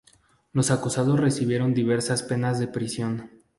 Los acusados recibieron diversas penas de prisión.